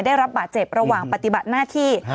ได้รับบาดเจ็บระหว่างปฏิบัติหน้าที่